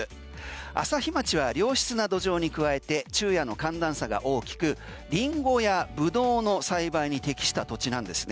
朝日町は良質な土壌に加えて昼夜の寒暖差が大きくリンゴやブドウの栽培に適した土地なんですね。